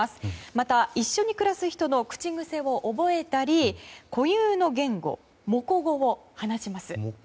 また、一緒に暮らす人の口癖を覚えたり固有の言語、モコ語を話します。